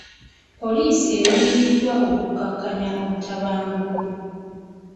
Poliisi eyiiriddwa okukakkanya obutabanguko.